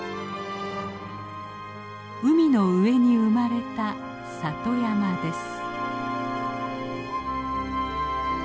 海の上に生まれた里山です。